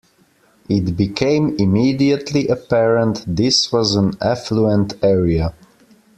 It became immediately apparent this was an affluent area.